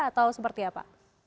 atau seperti apa